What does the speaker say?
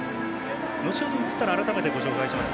後ほど映ったら改めてご紹介します。